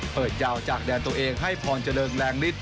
ยาวจากแดนตัวเองให้พรเจริญแรงนิด